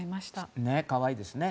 可愛いですね。